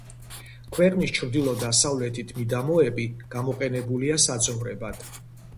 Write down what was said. ქვეყნის ჩრდილო დასავლეთით მიდამოები გამოყენებულია საძოვრებად.